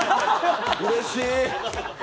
うれしい！